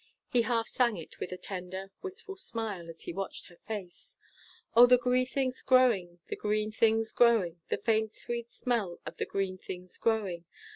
He half sang it, with a tender, wistful smile, as he watched her face. "O the green things growing, the green things growing The faint, sweet smell of the green things growing!